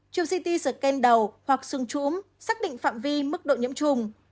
chụp ct scan đầu hoặc xương trúm xác định phạm vi mức độ nhiễm trùng